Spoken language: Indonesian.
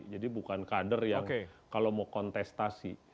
jadi bukan kader yang kalau mau kontestasi